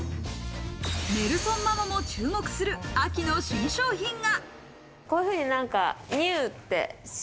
ネルソンママも注目する秋の新商品が。